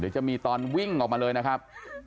จะมีตอนวิ่งออกมาเลยนะครับ